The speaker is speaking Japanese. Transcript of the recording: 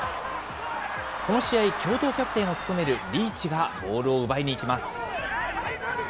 この試合、共同キャプテンを務めるリーチがボールを奪いにいきます。